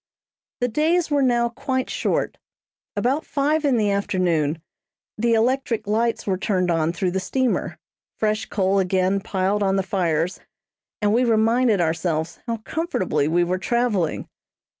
The days were now quite short. About five in the afternoon the electric lights were turned on through the steamer, fresh coal again piled on the fires, and we reminded ourselves how comfortably we were traveling.